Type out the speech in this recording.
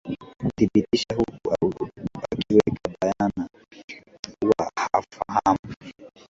thibitisha huku akiweka bayana kuwa hawafahamu